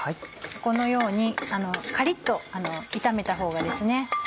このようにカリっと炒めたほうがですね